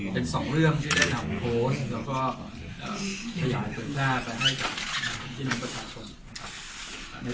เป็น๒เรื่องที่แนะนำโพสแล้วก็สะยายปริศนาไปให้กับชินประชาชน